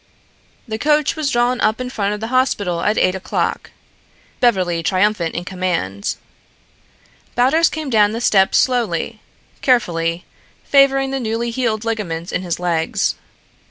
The coach was drawn up in front of the hospital at eight o'clock, Beverly triumphant in command. Baldos came down the steps slowly, carefully, favoring the newly healed ligaments in his legs.